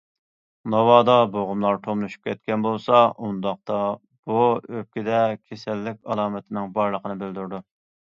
ناۋادا بوغۇملار توملىشىپ كەتكەن بولسا، ئۇنداق بۇ ئۆپكىدە كېسەللىك ئالامىتىنىڭ بارلىقىنى بىلدۈرىدۇ.